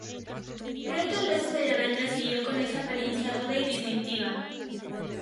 Pronto el resto de la banda siguió con esa apariencia ruda y distintiva.